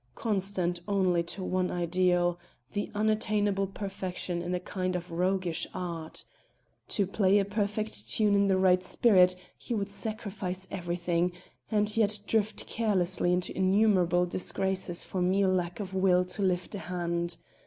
constant only to one ideal the unattainable perfection in a kind of roguish art. To play a perfect tune in the right spirit he would sacrifice everything, and yet drift carelessly into innumerable disgraces for mere lack of will to lift a hand.